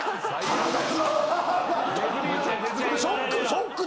ショック！